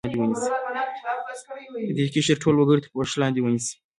د دې قشر ټول وګړي تر پوښښ لاندې ونیسي.